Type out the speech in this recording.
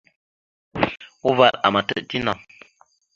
Uvar àmataɗ tinaŋ.